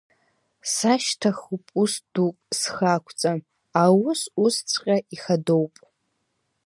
Сашьҭахуп ус дук схы ақәҵан, аус усҵәҟьоуп, ихадоуп.